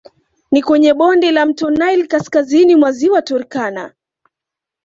Ni kwenye bonde la mto Nile kaskazini mwa ziwa Turkana